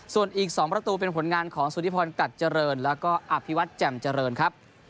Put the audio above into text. ส่วนอีก๒ประตูเป็นผลงานของสุธิพรกัดเจริญแล้วก็อภิวัตรแจ่มเจริญครับ